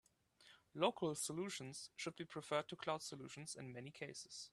Local solutions should be preferred to cloud solutions in many cases.